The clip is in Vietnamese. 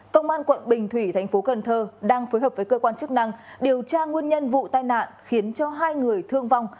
công an quận bình thủy thành phố cần thơ đang phối hợp với cơ quan chức năng điều tra nguyên nhân vụ tai nạn khiến cho hai người thương vong